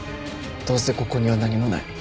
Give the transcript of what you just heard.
どうせここには何もない。